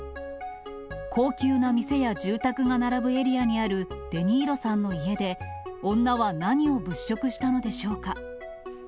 高級な店や住宅が並ぶエリアにあるデ・ニーロさんの家で、女は何を物色したのでしょうか。